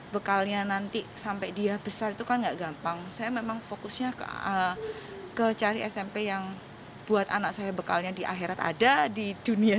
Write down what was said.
bekalnya nanti sampai dia besar itu kan gak gampang saya memang fokusnya ke cari smp yang buat anak saya bekalnya di akhirat ada di dunia